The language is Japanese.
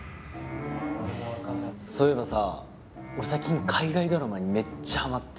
そういえばさ俺最近海外ドラマにめっちゃハマってて。